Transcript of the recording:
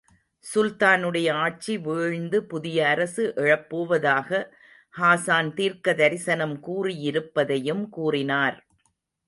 சுல்தானுடைய ஆட்சி வீழ்ந்து புதியஅரசு எழப்போவதாக ஹாஸான் தீர்க்கதரிசனம் கூறியிருப்பதையும் கூறினார்.